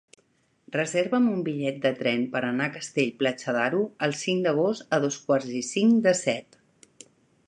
Reserva'm un bitllet de tren per anar a Castell-Platja d'Aro el cinc d'agost a dos quarts i cinc de set.